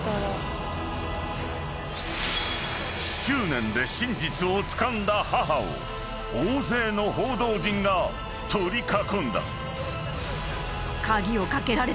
［執念で真実をつかんだ母を大勢の報道陣が取り囲んだ］